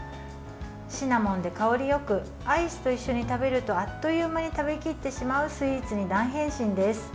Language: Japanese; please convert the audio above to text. シナモンで香りよくアイスと一緒に食べるとあっという間に食べきってしまうスイーツに大変身です。